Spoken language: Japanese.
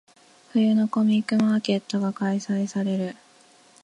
冬のコミックマーケットが開催される。